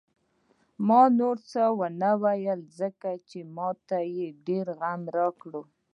ما نور څه ونه ویل، ځکه ما ته یې ډېر غم راکړ.